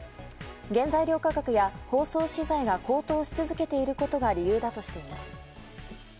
原材料価格や包装資材が高騰し続けていることが理由だとしています。